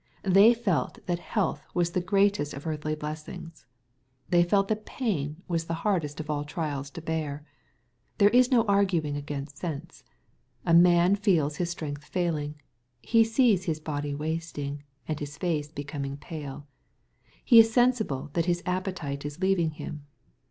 They felt that health was the greatest of earthly blessings. They felt that pain was the hardest of all trials to bear. There is no arguing against sense. A man feels his strength failing. He sees his body wasting, and his face becoming pale. He is sensible that his appetite is leaving him.